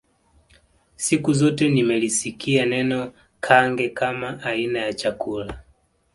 Siku zote nimelisikia neno Kange kama aina ya chakula